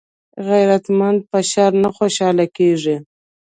غیرتمند په شر نه خوشحاله کېږي